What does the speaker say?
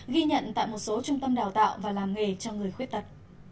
ghi nhận tại một số trung tâm đào tạo và làm nghề cho người khuyết tật